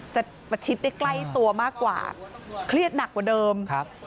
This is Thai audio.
ประชิดได้ใกล้ตัวมากกว่าเครียดหนักกว่าเดิมครับ